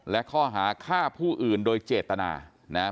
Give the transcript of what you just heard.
และข้อหาฆ่าผู้อื่นโดยเจตนานะครับ